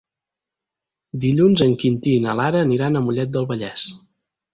Dilluns en Quintí i na Lara aniran a Mollet del Vallès.